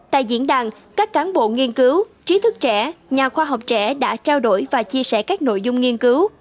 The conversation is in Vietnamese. tại diễn đàn các cán bộ nghiên cứu trí thức trẻ nhà khoa học trẻ đã trao đổi và chia sẻ các nội dung nghiên cứu